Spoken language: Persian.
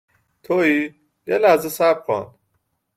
.توئی ، یه لحظه صبر کن